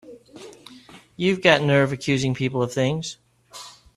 You've got a nerve accusing people of things!